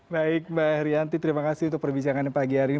baik mbak herianti terima kasih untuk perbincangannya pagi hari ini